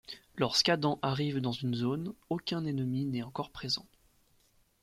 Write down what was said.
Lorsqu'Adam arrive dans une zone, aucun ennemi n'est encore présent.